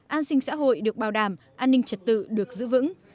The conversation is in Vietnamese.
an sinh xã hội được bảo đảm an ninh trật tự được giữ vững